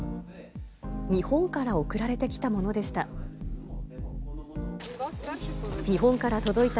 日本から送られてきたものでした。